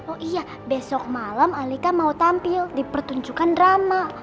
oh iya besok malam alika mau tampil di pertunjukan drama